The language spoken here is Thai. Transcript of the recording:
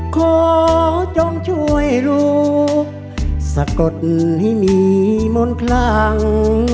ขอจงช่วยลูกสะกดให้มีมนต์คลัง